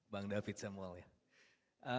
bang david samuel ya